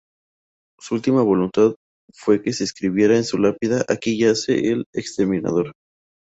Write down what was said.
Su última voluntad fue que se escribiera en su lápida: "Aquí yace el exterminador".